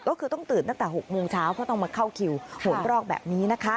ก็คือต้องตื่นตั้งแต่๖โมงเช้าเพราะต้องมาเข้าคิว๖รอกแบบนี้นะคะ